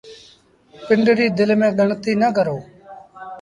پنڊري دل ميݩ ڳڻتيٚ نا ڪرو